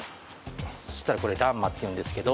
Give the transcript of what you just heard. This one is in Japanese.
そしたらこれランマーっていうんですけど。